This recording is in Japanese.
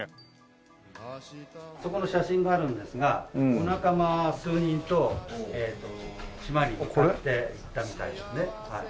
そこの写真があるんですがお仲間数人と島に向かって行ったみたいですね。